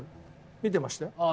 見てましたよ。